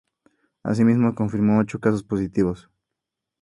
Así mismo confirma ocho casos positivos.